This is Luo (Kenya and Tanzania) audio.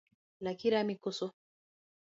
Laki rami koso?